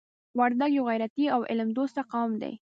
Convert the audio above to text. وردګ یو غیرتي او علم دوسته قوم دی.